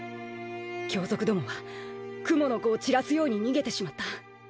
凶賊どもはクモの子を散らすように逃げてしまった。